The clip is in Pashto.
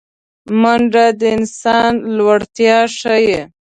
منډه د انسان لوړتیا ښيي